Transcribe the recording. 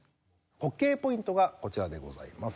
滑稽ポイントがこちらでございます。